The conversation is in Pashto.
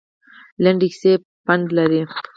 لنډې کیسې پند لري